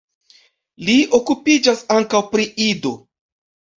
Li okupiĝas ankaŭ pri Ido.